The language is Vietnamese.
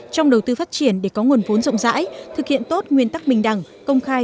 trong đầu tư phát triển để có nguồn vốn rộng rãi thực hiện tốt nguyên tắc bình đẳng công khai